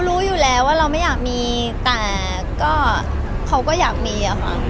กรูกันเสื้อมัวว่าก็อยากมี